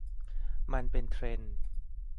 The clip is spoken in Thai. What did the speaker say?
มันเป็นเทรนด์ ?